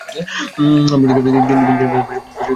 প্রতিক্রিয়া হিসেবে দিনের বেলা প্রচুর ঘুম পেতে পারে।